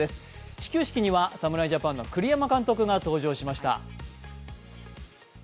始球式には侍ジャパンの栗山監督が登場しました。